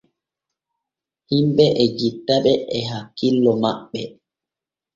Himɓe e jettaɓe e hakkillo maɓɓe.